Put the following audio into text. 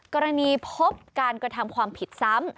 กรณีพบการกระทำความผิดซ้ำ